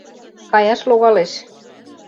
— Каяш логалеш...